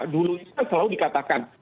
dulu itu selalu dikatakan